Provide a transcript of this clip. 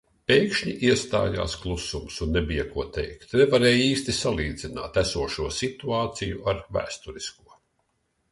Pēkšņi iestājās klusums un nebija, ko teikt. Nevar īsti salīdzināt esošo situāciju ar vēsturisko.